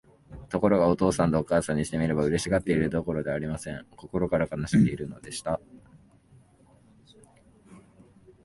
ところが、お父さんとお母さんにしてみれば、嬉しがっているどころではありません。心から悲しんでいるのでした。